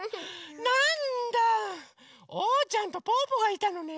なんだおうちゃんとぽぅぽがいたのね。